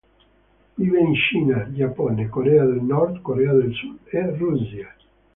Vive in Cina, Giappone, Corea del Nord, Corea del Sud e Russia.